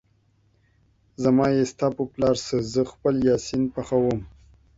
زما يې ستا په پلار څه ، زه خپل يا سين پخوم